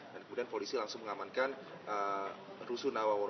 dan kemudian polisi langsung mengamankan rusunawa